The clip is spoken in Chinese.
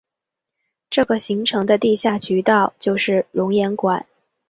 这个形成的地下渠道就是熔岩管。